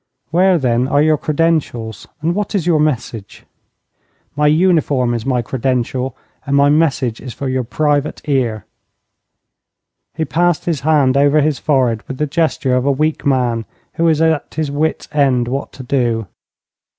'Where, then, are your credentials, and what is your message?' 'My uniform is my credential, and my message is for your private ear.' He passed his hand over his forehead with the gesture of a weak man who is at his wits' end what to do.